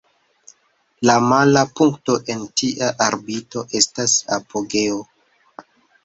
La mala punkto en tia orbito estas "apogeo".